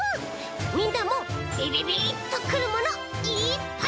みんなもビビビッとくるものいっぱいさがしてね。